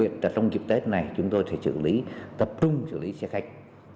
trong dịp tết này chúng tôi sẽ tập trung xử lý xe khách